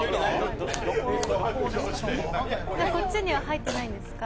じゃあ、こっちには入ってないんですか？